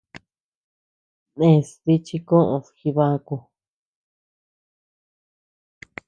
Nès dí chi koʼöd Jibaku.